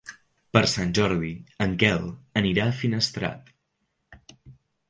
Per Sant Jordi en Quel anirà a Finestrat.